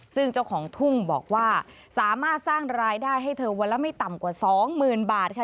ซึ่งเจ้าของทุ่งบอกว่าสามารถสร้างรายได้ให้เธอวันละไม่ต่ำกว่าสองหมื่นบาทค่ะ